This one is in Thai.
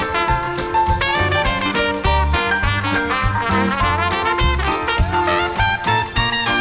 โปรดติดตามต่อไป